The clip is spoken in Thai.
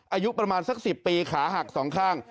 อายุประมาณสัก๑๐ปีขาหักสองข้าง